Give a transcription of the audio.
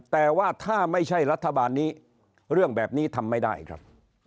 แต่ว่าถ้าไม่ใช่รัฐบาลนี้เรื่องแบบนี้ทำไม่ได้ครับ